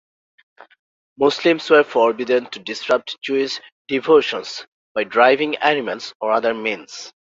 Muslims were forbidden to disrupt Jewish devotions by driving animals or other means.